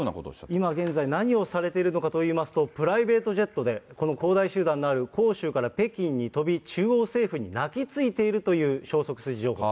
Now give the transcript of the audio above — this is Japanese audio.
今現在、何をされているのかといいますと、プライベートジェットでこの恒大集団のある広州から北京に飛び、中央政府に泣きついているという消息筋情報も。